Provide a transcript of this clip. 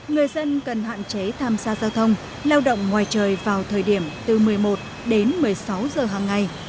người dân cần hạn chế tham gia giao thông lao động ngoài trời vào thời điểm từ một mươi một đến một mươi sáu giờ hằng ngày